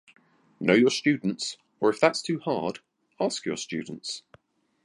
Know your students, or if that’s too hard, ask your students.